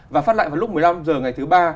và phát lại vào lúc một mươi năm h ngày thứ ba